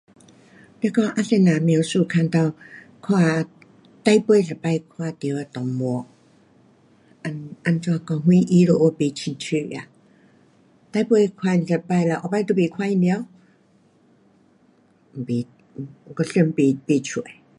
那讲啊怎样描述看到，看最后一次看到的动物。怎,怎么讲，啥意思，我不清楚啊。最后看一次了，以后都不看到？不，我想不，不出。